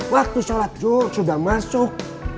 waktu sholat zul sudah masuk